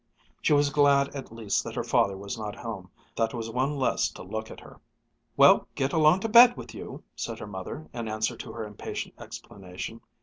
She was glad at least that her father was not at home. That was one less to look at her. "Well, get along to bed with you!" said her mother, in answer to her impatient explanation.